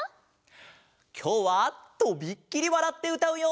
きょうはとびっきりわらってうたうよ！